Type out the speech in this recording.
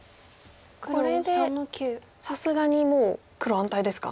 これでさすがにもう黒安泰ですか？